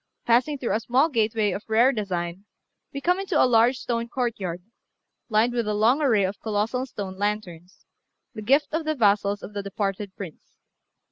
Passing through a small gateway of rare design, we come into a large stone courtyard, lined with a long array of colossal stone lanterns, the gift of the vassals of the departed Prince.